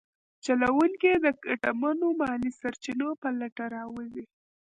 چلونکي یې د ګټمنو مالي سرچینو په لټه راوځي.